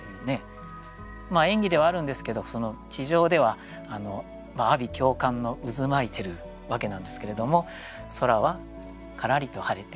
演技ではあるんですけど地上ではあび叫喚の渦巻いてるわけなんですけれども空はからりと晴れて秋晴であると。